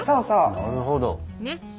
なるほど。